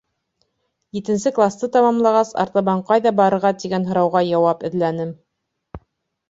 Етенсе класты тамамлағас, артабан ҡайҙа барырға тигән һорауға яуап эҙләнем.